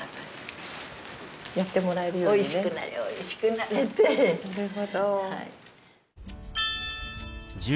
なるほど。